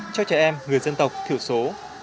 cho trẻ em người dân tộc tiểu số